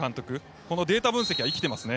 このデータ分析が生きてますね。